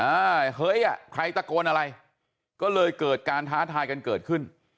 เฮ้ยอ่ะใครตะโกนอะไรก็เลยเกิดการท้าทายกันเกิดขึ้น